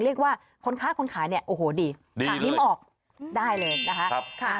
เรียกว่าคนค้าคนขายเนี่ยโอ้โหดียิ้มออกได้เลยนะคะ